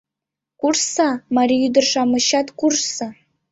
Куржса, марий ӱдыр-шамычат, куржса!